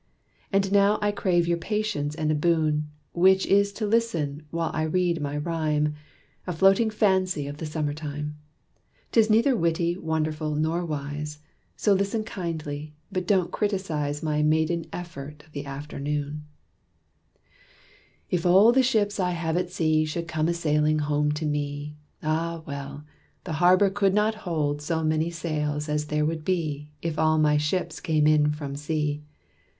And now I crave your patience and a boon, Which is to listen, while I read my rhyme, A floating fancy of the summer time. 'Tis neither witty, wonderful, nor wise, So listen kindly but don't criticise My maiden effort of the afternoon: "If all the ships I have at sea Should come a sailing home to me, Ah, well! the harbor could not hold So many sails as there would be If all my ships came in from sea.